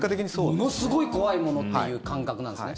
ものすごい怖いものっていう感覚なんですね。